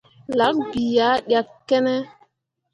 Lak bii ah ɗyakkene ?